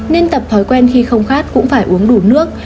nên tập thói quen khi không khát cũng phải uống đủ nước